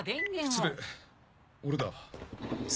失礼俺だ。